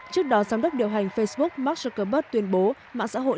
trước đó giám đốc điều hành facebook mark zuckerberg tuyên bố mạng xã hội